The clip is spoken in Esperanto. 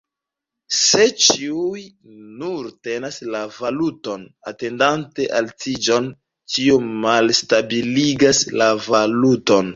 Se ĉiuj nur tenas la valuton, atendante altiĝon, tio malstabiligas la valuton.